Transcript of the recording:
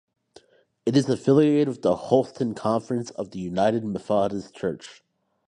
It is affiliated with the Holston Conference of the United Methodist Church.